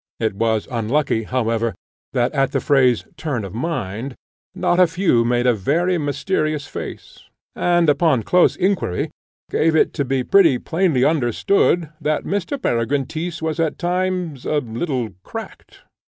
It was unlucky, however, that at the phrase "turn of mind," not a few made a very mysterious face; and upon close inquiry, gave it to be pretty plainly understood, that Mr. Peregrine Tyss was at times a little cracked.